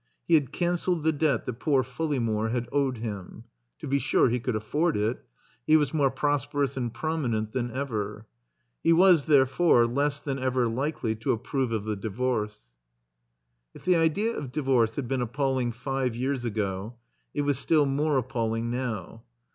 He had canceled the debt that poor Fulleymore had owed him. To be sure, he could afford it. ^e was more prosi)erous and prominent than ever. He was, therefore, less than ever likely to approve of the divorce. If the idea of divorce had been appalling five years ago, it was still more appalling now.